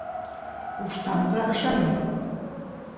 Ҡуштанға ышанма: